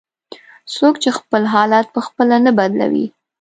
"څوک چې خپل حالت په خپله نه بدلوي".